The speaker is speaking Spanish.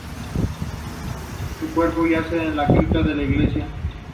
Su cuerpo yace en la cripta de la iglesia.